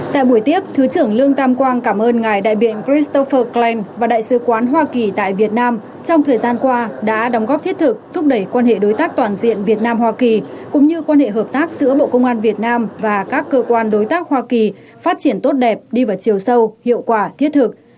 tại buổi tiếp thứ trưởng lương tam quang cảm ơn ngài đại biện christopher cland và đại sứ quán hoa kỳ tại việt nam trong thời gian qua đã đóng góp thiết thực thúc đẩy quan hệ đối tác toàn diện việt nam hoa kỳ cũng như quan hệ hợp tác giữa bộ công an việt nam và các cơ quan đối tác hoa kỳ phát triển tốt đẹp đi vào chiều sâu hiệu quả thiết thực